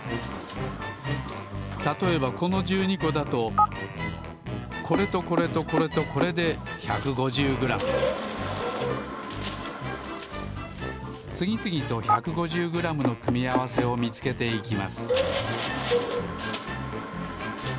たとえばこの１２こだとこれとこれとこれとこれで１５０グラムつぎつぎと１５０グラムの組み合わせをみつけていきます